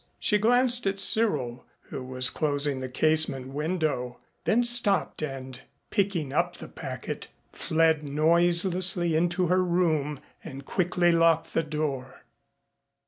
She glanced at Cyril, who was closing the casement window, then stooped and, picking up the packet, fled noiselessly into her room and quickly locked the door.